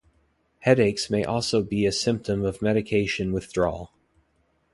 Headaches may also be a symptoms of medication withdrawal.